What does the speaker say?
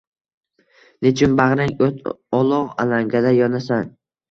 Nechun bagʼring oʼt-olov, alangaday yonasan.